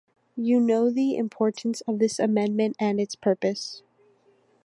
You know the importance of this amendment and its purpose.